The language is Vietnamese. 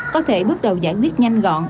có thể bước đầu giải quyết nhanh gọn